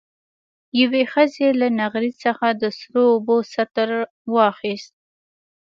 يوې ښځې له نغري څخه د سرو اوبو سطل واخېست.